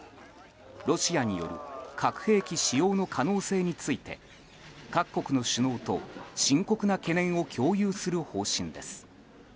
ロシアによる核兵器使用の可能性について各国の首脳と深刻な懸念を共有する方針です。